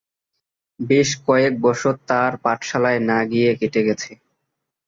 বেশ কয়েক বৎসর তার পাঠশালায় না গিয়ে কেটে গেছে।